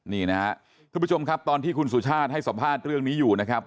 นี่นะครับทุกผู้ชมครับตอนที่คุณสุชาติให้สัมภาษณ์เรื่องนี้อยู่นะครับ